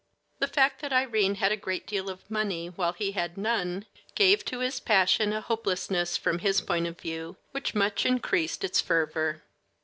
The fact that Irene had a great deal of money, while he had none, gave to his passion a hopelessness from his point of view which much increased its fervor.